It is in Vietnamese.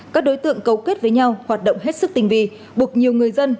các đối tượng cấu kết với nhau hoạt động hết sức tình vì bục nhiều người dân